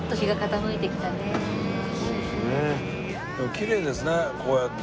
キレイですねこうやって。